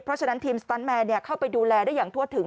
เพราะฉะนั้นทีมสตันแมนเข้าไปดูแลได้อย่างทั่วถึง